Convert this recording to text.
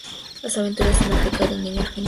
Las aventuras en África de un niño argentino.